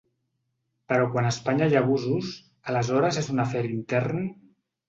Però quan a Espanya hi ha abusos, aleshores és un afer intern?